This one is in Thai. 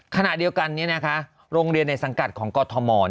ขณะเดียวกันโรงเรียนในสังกัดของกรทม